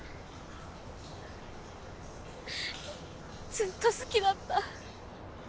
ずっと好きだった。